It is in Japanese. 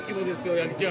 八木ちゃん。